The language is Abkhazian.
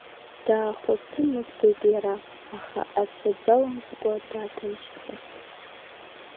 Дааҳәыцы-мыцит иара, аха ацәа дзалымҵыкуа, дааҭынчхахт.